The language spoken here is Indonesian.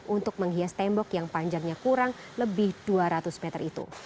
untuk menghias tembok yang panjangnya kurang lebih dua ratus meter itu